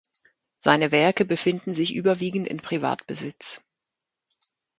Seine Werke befinden sich überwiegend in Privatbesitz.